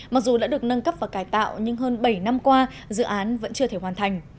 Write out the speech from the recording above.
mặc dù đã được nâng cấp và cải tạo nhưng hơn bảy năm qua dự án vẫn chưa thể hoàn thành